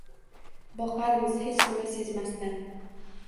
Boqarmiz hech nima sezmasdan